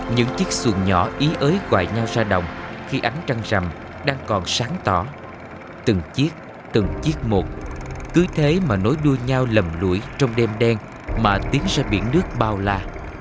những chiếc xuồng nhỏ ý ới quại nhau ra đồng khi ánh trăng rằm đang còn sáng tỏ từng chiếc từng chiếc một cứ thế mà nối đuôi nhau lầm lỗi trong đêm đen mà tiến ra biển nước bao la